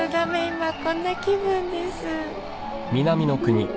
今こんな気分です。